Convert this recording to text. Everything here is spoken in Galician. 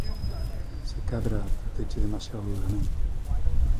Se cadra trateiche demasiado duramente.